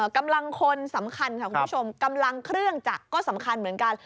กำลังคนสำคัญค่ะคุณผู้ชมกำลังเครื่องจักรก็สำคัญเหมือนกัน